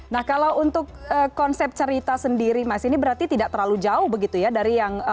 nah kalau untuk konsep cerita sendiri mas ini berarti tidak terlalu jauh begitu ya dari yang